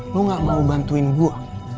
lu gak mau bantuin gue